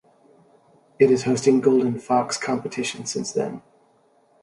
It is hosting Golden Fox competition since then.